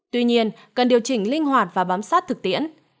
tuy nhiên cần điều chỉnh linh hoạt và bám sát thực tiễn